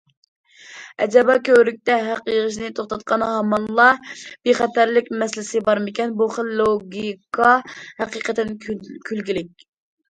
ئەجەبا كۆۋرۈكتە ھەق يىغىشنى توختاتقان ھامانلا بىخەتەرلىك مەسىلىسى بارمىكەن؟ بۇ خىل لوگىكا ھەقىقەتەن كۈلكىلىك.